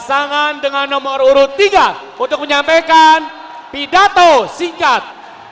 pasangan dengan nomor urut tiga untuk menyampaikan pidato singkat